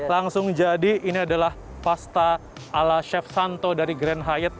langsung jadi ini adalah pasta ala chef santo dari grand hyat